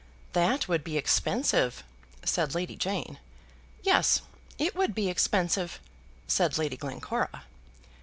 "That would be expensive," said Lady Jane. "Yes, it would be expensive," said Lady Glencora.